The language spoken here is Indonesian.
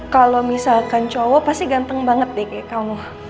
kalau misalkan cowok pasti ganteng banget deh kayak kamu